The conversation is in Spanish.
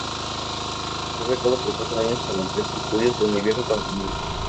Fue becado por cuatro años para ampliar sus estudios en el viejo continente.